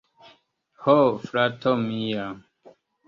Ho, frato mia!